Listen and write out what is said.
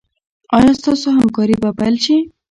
ایا ستاسو همکاري به پیل شي؟